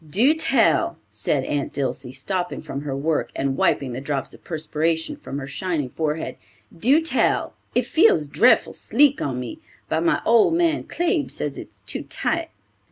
"Do tell!" said Aunt Dilsey, stopping from her work and wiping the drops of perspiration from her shining forehead. "Do tell! It feels drefful sleek on me, but my old man Claib says it's too tight."